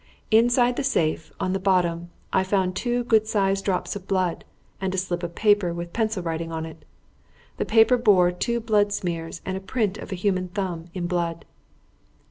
Inside the safe, on the bottom, I found two good sized drops of blood, and a slip of paper with pencil writing on it. The paper bore two blood smears and a print of a human thumb in blood."